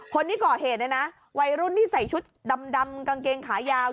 คนที่ก่อเหตุเนี่ยนะวัยรุ่นที่ใส่ชุดดำกางเกงขายาว